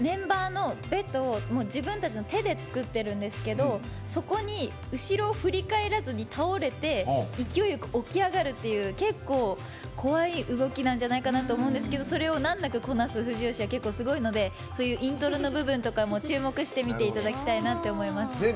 メンバーのベッドを手で作ってるんですけど後ろを振り返らずに倒れて勢いよく起き上がるという結構怖い動きなんじゃないかなと思うんですけどそれを難なくこなす藤吉がすごいのでイントロの部分とかも注目して見ていただきたいと思います。